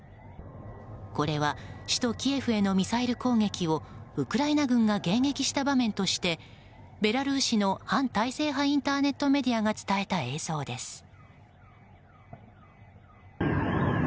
これは、首都キエフへのミサイル攻撃をウクライナ軍が迎撃した場面としてベラルーシの反体制派インターネットメディアが伝えた映像です。